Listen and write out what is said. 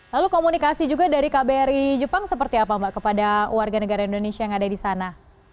lalu komunikasi juga dari kbri jepang seperti apa mbak kepada warga negara indonesia yang ada di sana